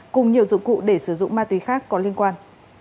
cùng nhiều dụng cụ để sử dụng ma túy khác có liên quan